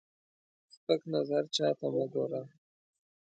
سپک نظر چاته مه ګوره